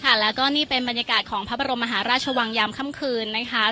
ค่ะแล้วก็นี่เป็นบรรยากาศของพระบรมมหาราชวังยามค่ำคืนนะคะ